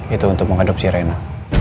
itu untuk mengadopsi reina